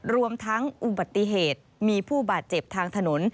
รวมทั้งอุบัติเหตุมีผู้บาดเจ็บทางถนน